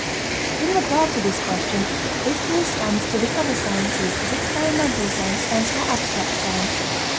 In regard to this question, history stands to the other sciences as experimental science stands to abstract science.